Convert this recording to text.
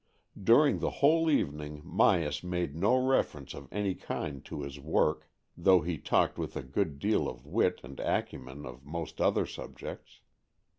During the whole evening Myas made no reference of any kind to his work, though he talked with a good deal of wit and acumen of most other subjects.